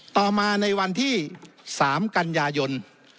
ต่อมาในวันที่๓กันยายน